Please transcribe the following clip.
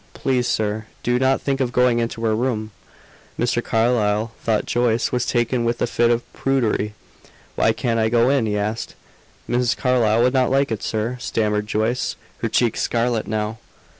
Please, sir, do not think of going into her room!" Mr. Carlyle thought Joyce was taken with a fit of prudery. "Why can't I go in?" he asked. "Mrs. Carlyle would not like it, sir," stammered Joyce, her cheeks scarlet now. Mr.